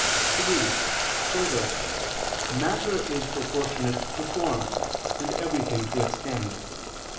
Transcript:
(3) Further, matter is proportionate to form, and everything to its end.